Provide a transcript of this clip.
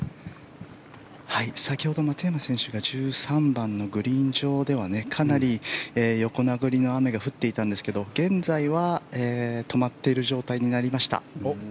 先ほど松山選手が１３番のグリーン上ではかなり横殴りの雨が降っていたんですが現在は止まっている状態になりました。